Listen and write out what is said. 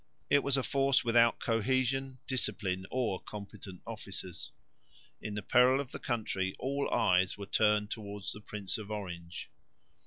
It was a force without cohesion, discipline or competent officers. In the peril of the country all eyes were turned towards the Prince of Orange.